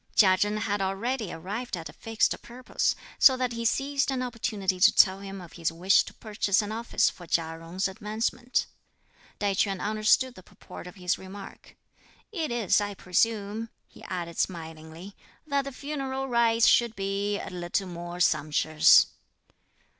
Chia Chen had already arrived at a fixed purpose, so that he seized an opportunity to tell him of his wish to purchase an office for Chia Jung's advancement. Tai Ch'üan understood the purport of his remark. "It is, I presume," he added smilingly, "that the funeral rites should be a little more sumptuous."